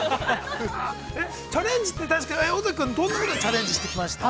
◆チャレンジって、尾崎君、どんなことにチャレンジしてきました？